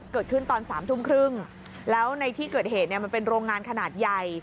เกิดขึ้นตอน๓ทุ่มครึ่งแล้วในที่เกิดเหตุเนี่ยมันเป็นโรงงานขนาดใหญ่